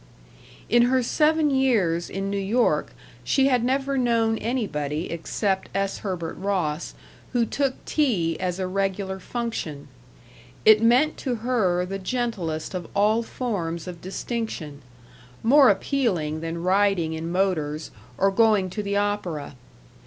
In her seven years in New York she had never known anybody except S. Herbert Ross who took tea as a regular function. It meant to her the gentlest of all forms of distinction, more appealing than riding in motors or going to the opera.